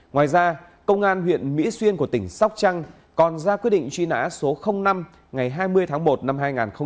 ngoài ra công an huyện mỹ xuyên của tỉnh sóc trăng còn ra quyết định truy nã số năm ngày hai mươi tháng một năm hai nghìn một mươi